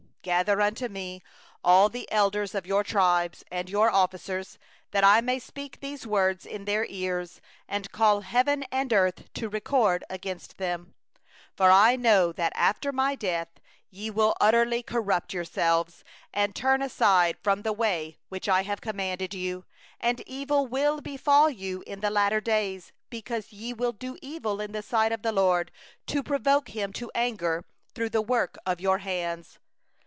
28Assemble unto me all the elders of your tribes, and your officers, that I may speak these words in their ears, and call heaven and earth to witness against them. 29For I know that after my death ye will in any wise deal corruptly, and turn aside from the way which I have commanded you; and evil will befall you in the end of days; because ye will do that which is evil in the sight of the LORD, to provoke Him through the work of your hands.